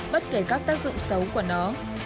bất kể các tác dụng xấu của nó